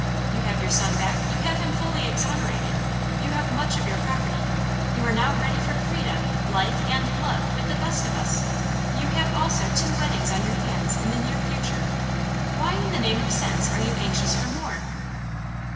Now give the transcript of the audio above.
You have your son back, you have him fully exonerated, you have much of your property, you are now ready for freedom, life, and love, with the best of us; you have also two weddings on your hands in the near future. Why in the name of sense are you anxious for more?"